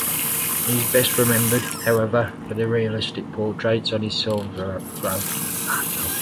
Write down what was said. He is best remembered, however, for the realistic portraits on his silver groat.